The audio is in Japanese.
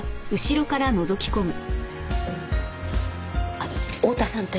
あの太田さんって？